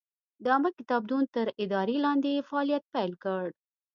د عامه کتابتون تر ادارې لاندې یې فعالیت پیل کړ.